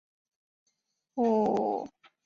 户冢是位于东京都新宿区北部的地区。